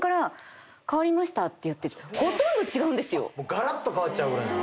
がらっと変わっちゃうぐらいの？